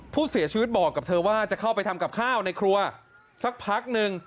ผู้เสียชีวิตบอกกับเธอว่าจะเข้าไปทำกับข้าวในครัวสักพักนึง